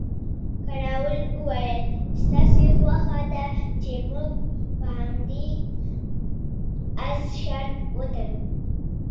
کراول وویل، ستاسې خوښه ده چې موږ هم پر همدې اس شرط وتړو؟